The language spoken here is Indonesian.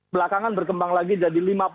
belakangan berkembang lagi jadi lima puluh sembilan